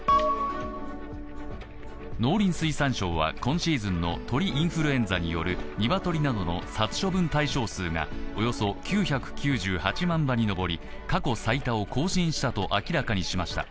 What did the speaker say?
農林水産省は今シーズンの鳥インフルエンザによる鶏などの殺処分対象数がおよそ９９８万羽に上り、過去最多を更新したと明らかにしました。